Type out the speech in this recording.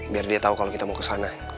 biar dia tau kalau kita mau kesana